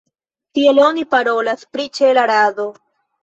Tiel oni parolas pri ĉela rado.